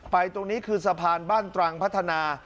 ตรงนี้คือสะพานบ้านตรังพัฒนา